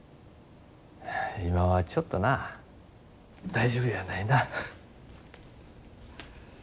今はちょっとな大丈夫やないな。